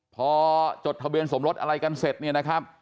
พอจดทะเบียนสมรสอะไรกันเสร็จเนี่ยนะครับ